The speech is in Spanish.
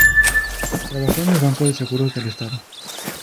Trabajó en el Banco de Seguros del Estado.